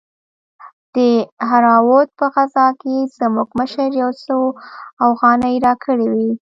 د دهراوت په غزا کښې زموږ مشر يو څو اوغانۍ راکړې وې.